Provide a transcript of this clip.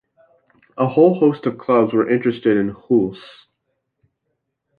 A whole host of clubs were interested in Hulse.